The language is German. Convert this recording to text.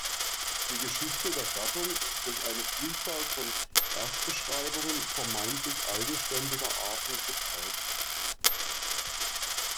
Die Geschichte der Gattung ist durch eine Vielzahl von Erstbeschreibungen vermeintlich eigenständiger Arten geprägt.